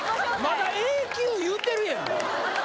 まだ「永久」言うてるやん・